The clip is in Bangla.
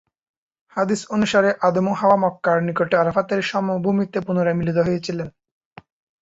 হাদিস অনুসারে আদম ও হাওয়া মক্কার নিকটে আরাফাতের সমভূমিতে পুনরায় মিলিত হয়েছিলেন।